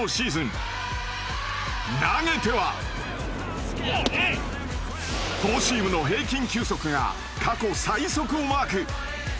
投げてはフォーシームの平均球速が過去最速をマーク。